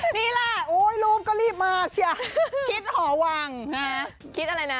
นี่แหละรูปก็รีบมาเชีย